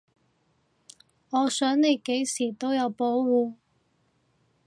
我想你幾時都有保護